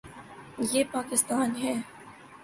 یہ پاکستان ہے۔